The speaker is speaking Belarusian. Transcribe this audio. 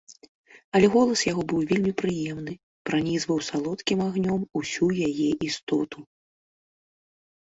Але голас яго быў вельмі прыемны, пранізваў салодкім агнём усю яе істоту.